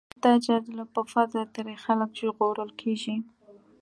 د خدای ج په فضل ترې خلک ژغورل کېږي.